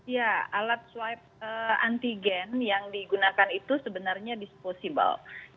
ya alat swab antigen yang digunakan itu sebenarnya dispossible